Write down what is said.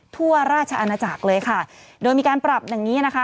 ทั่วราชอาณาจักรเลยค่ะโดยมีการปรับอย่างนี้นะคะ